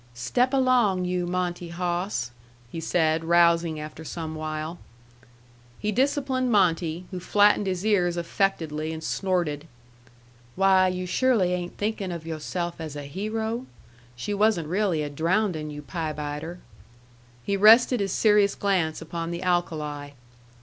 "Step along, you Monte hawss!" he said, rousing after some while. He disciplined Monte, who flattened his ears affectedly and snorted. "Why, you surely ain' thinkin' of you' self as a hero? She wasn't really a drowndin', you pie biter." He rested his serious glance upon the alkali.